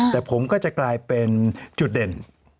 แต่ผมก็จะกลายเป็นจุดเด่น